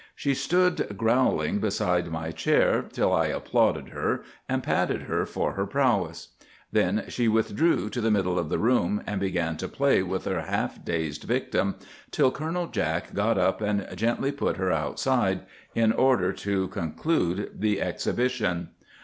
She stood growling beside my chair till I applauded her and patted her for her prowess. Then she withdrew to the middle of the room, and began to play with her half dazed victim, till Colonel Jack got up and gently put her outside in order to conclude the exhibition.